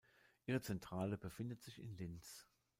Ihre Zentrale befindet sich in Linz.